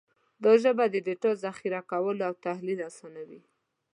دا ژبه د ډیټا ذخیره کول او تحلیل اسانوي.